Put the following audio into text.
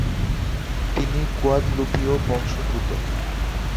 তিনি গুয়াদলুপীয় বংশোদ্ভূত।